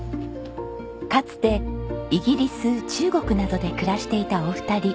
かつてイギリス中国などで暮らしていたお二人。